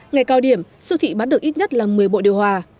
ngày cao điểm siêu thị bán được ít nhất là một mươi bộ điều hòa